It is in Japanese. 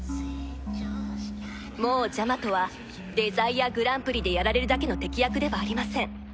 もうジャマトはデザイアグランプリでやられるだけの敵役ではありません